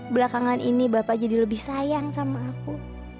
belakangan ini bapak jadi lebih sayang sama aku